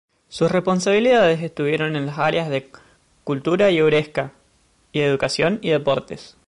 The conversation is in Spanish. Sus responsabilidades estuvieron en las áreas de cultura y euskera; y educación y deportes.